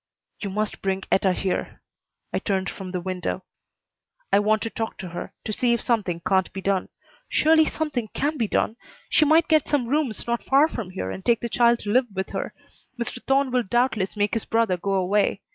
"You must bring Etta here." I turned from the window. "I want to talk to her, to see if something can't be done. Surely something can be done! She might get some rooms not far from here and take the child to live with her. Mr. Thorne will doubtless make his brother go away.